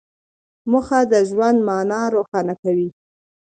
موخه د ژوند مانا روښانه کوي.